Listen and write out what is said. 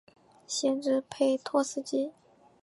县治佩托斯基。